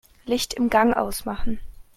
Licht im Gang ausmachen.